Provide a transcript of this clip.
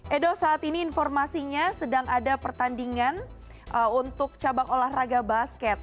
edo saat ini informasinya sedang ada pertandingan untuk cabang olahraga basket